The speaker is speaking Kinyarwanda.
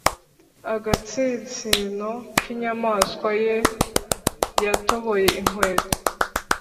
agatsinsino k'inyamaswa ye yatoboye inkweto,